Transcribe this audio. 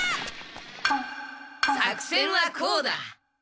作戦はこうだ。